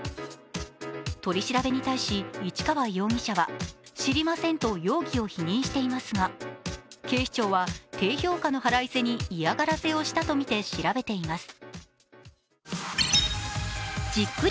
取り調べに対し、市川容疑者は、知りませんと容疑を否認していますが、警視庁は低評価の腹いせに嫌がらせをしたとみて調べています。